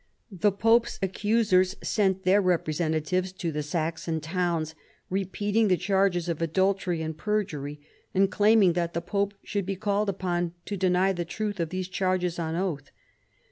The pope's accusers sent their repre CAROLUS AUGUSTUS. 255 sentatives to tlie Saxon towns, repeating the charges of adultery and perjury, and claiming that the pope should be called upon to deny the truth of these charges on oath.